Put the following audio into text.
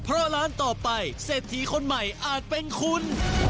เพราะร้านต่อไปเศรษฐีคนใหม่อาจเป็นคุณ